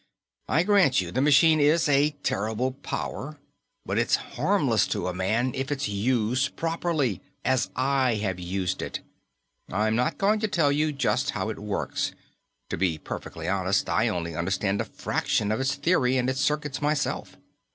"I grant you, the machine is a terrible power, but it's harmless to a man if it's used properly as I have used it. I'm not going to tell you just how it works; to be perfectly honest, I only understand a fraction of its theory and its circuits myself.